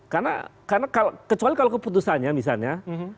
karena kecuali kalau keputusannya misalnya